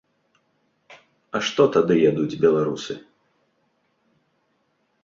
А што тады ядуць беларусы?